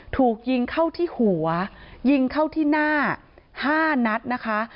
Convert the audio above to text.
ถูกยิงเข้าที่หัวยิงเข้าที่หน้า๕นัดนะคะ